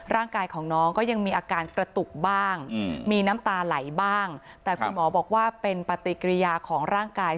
ร่างกายของน้องก็ยังมีอาการกระตุกบ้างมีน้ำตาไหลบ้างแต่คุณหมอบอกว่าเป็นปฏิกิริยาของร่างกาย